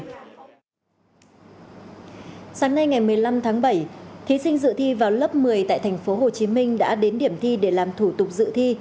sáng nay ngày một mươi năm tháng bảy thí sinh dự thi vào lớp một mươi tại tp hcm đã đến điểm thi để làm thủ tục dự thi